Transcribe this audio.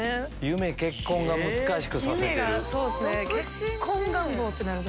夢結婚！が難しくさせてる。